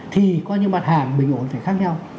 thì có những mặt hàng bình ổn sẽ khác nhau